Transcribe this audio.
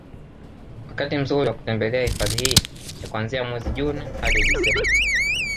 wakati mzuri wa kutembelea hifadhi hii ni kuanzia mwezi June hadi Desemba